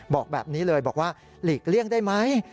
บอกแบบนี้เลยบอกว่าหลีกเลี่ยงได้ไหม